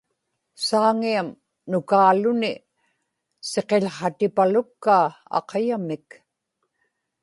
Saaŋiam nukaaluni siqił̣hatipalukkaa aqayamik